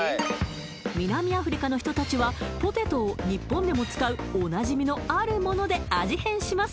南アフリカの人たちはポテトを日本でも使うおなじみのあるもので味変します